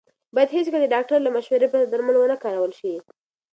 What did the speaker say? باید هېڅکله د ډاکټر له مشورې پرته درمل ونه کارول شي.